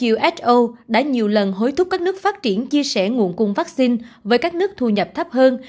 uso đã nhiều lần hối thúc các nước phát triển chia sẻ nguồn cung vaccine với các nước thu nhập thấp hơn